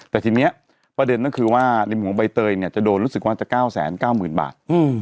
แต่ทีนี้ประเด็นก็คือว่าในมุมของใบเตยเนี่ยจะโดนรู้สึกว่าจะ๙๙๐๐๐บาท